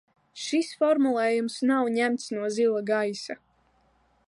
Šis formulējums nav ņemts no zila gaisa.